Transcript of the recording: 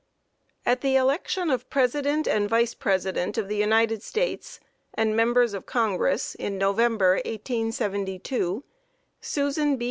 At the election of President and Vice President of the United States, and members of Congress, in November, 1872, SUSAN B.